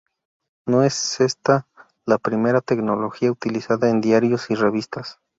No es esta la primera tecnología utilizada en diarios y revistas.